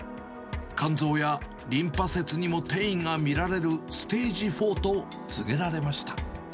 肝臓やリンパ節にも転移が見られるステージ４と告げられました。